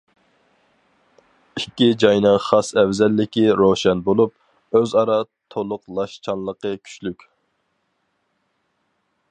ئىككى جاينىڭ خاس ئەۋزەللىكى روشەن بولۇپ، ئۆزئارا تولۇقلاشچانلىقى كۈچلۈك.